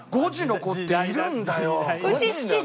５時の子っているんだよ。